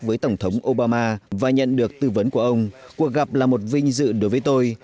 với tổng thống obama và nhận được tư vấn của ông cuộc gặp là một vinh dự đối với tôi